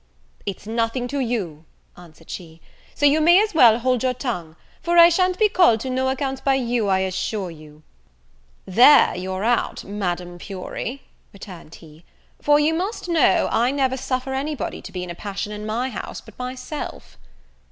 "It's nothing to you," answered she, "so you may as well hold your tongue; for I shan't be called to no account by you, I assure you." "There you're out, Madame Fury," returned he; "for you must know, I never suffer anybody to be in a passion in my house, but myself."